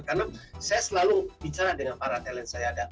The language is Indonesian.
karena saya selalu bicara dengan para talent saya